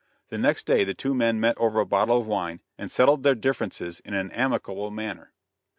The next day the two men met over a bottle of wine, and settled their differences in an amicable manner.